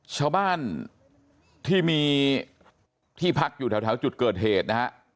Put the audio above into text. ชาวบ้านที่มีที่พักอยู่แถวจุดเกิดเหตุนะฮะ